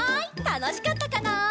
たのしかったかな？